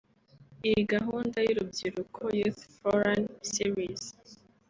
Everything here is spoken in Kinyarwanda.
Iyi Gahunda y’urubyiruko Youth Forum Series